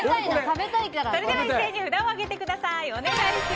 それでは一斉に札を上げてください。